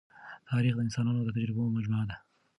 تاریخ د انسانانو د تجربو مجموعه ده.